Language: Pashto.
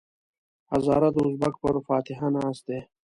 هزاره د ازبک پر فاتحه ناست دی.